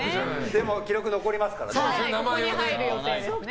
でも記録残りますからね。